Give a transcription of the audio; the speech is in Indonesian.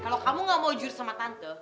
kalau kamu gak mau jurus sama tante